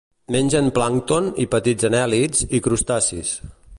Mengen plàncton i petits anèl·lids i crustacis.